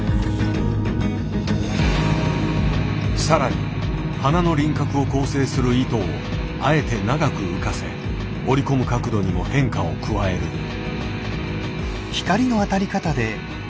さらに花の輪郭を構成する糸をあえて長く浮かせ織り込む角度にも変化を加える。